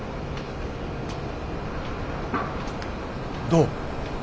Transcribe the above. どう？